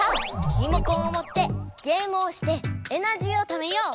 リモコンをもってゲームをしてエナジーをためよう！